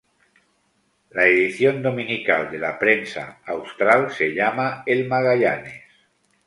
La edición dominical de La Prensa Austral se llama "El Magallanes".